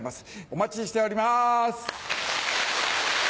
お待ちしております！